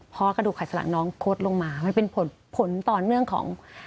พอกระดูกไข่สลักน้องคดลงมามันเป็นผลต่อเนื่องของ